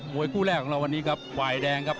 วยคู่แรกของเราวันนี้ครับฝ่ายแดงครับ